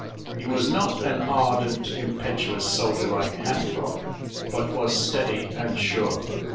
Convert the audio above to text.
He was not an ardent, impetuous soldier like Hancock, but was steady and sure.